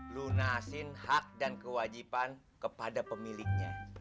lunasin hak dan kewajiban kepada pemiliknya